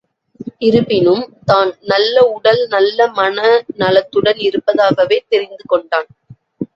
இருப்பினும் தான் நல்ல உடல் நலம் மனநலத்துடன் இருப்பதாகவே தெரிந்து கொண்டான்.